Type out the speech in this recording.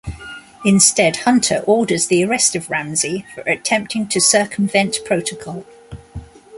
Instead Hunter orders the arrest of Ramsey for attempting to circumvent protocol.